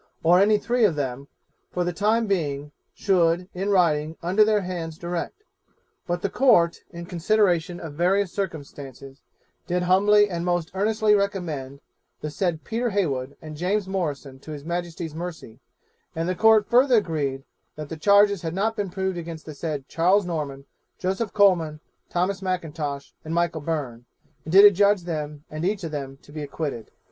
or any three of them, for the time being, should, in writing, under their hands, direct; but the Court, in consideration of various circumstances, did humbly and most earnestly recommend the said Peter Heywood and James Morrison to his Majesty's mercy; and the Court further agreed, that the charges had not been proved against the said Charles Norman, Joseph Coleman, Thomas M'Intosh, and Michael Byrne, and did adjudge them, and each of them, to be acquitted.'